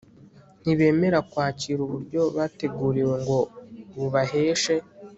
Ntibemera kwakira uburyo bateguriwe ngo bubaheshe